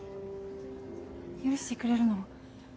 許してくれるの？